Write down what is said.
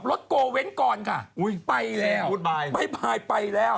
รถโกเว้นก่อนค่ะไปแล้วไปไปแล้ว